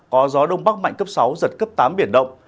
có gió đông bắc mạnh cấp sáu giật cấp tám biển động